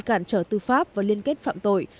cản trở tư pháp và liên kết phạm tội